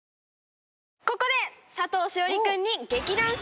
ここで佐藤栞里君に。